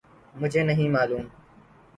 مجھے نہیں معلوم